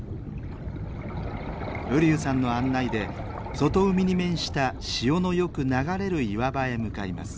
瓜生さんの案内で外海に面した潮のよく流れる岩場へ向かいます。